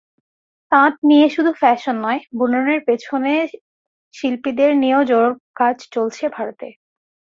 তাঁত নিয়েশুধু ফ্যাশন নয়, বুননের পেছনের শিল্পীদের নিয়েও জোর কাজ চলছে ভারতে।